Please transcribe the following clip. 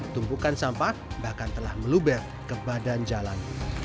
tumpukan sampah bahkan telah meluber ke badan jalan